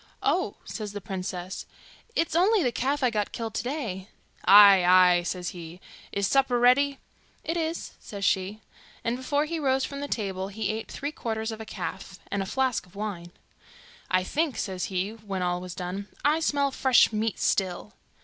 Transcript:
'Oh,' says the princess, 'it's only the calf I got killed to day.' 'Ay, ay,' says he, 'is supper ready?' 'It is,' says she; and before he rose from the table he ate three quarters of a calf, and a flask of wine. 'I think,' says he, when all was done, 'I smell fresh meat still.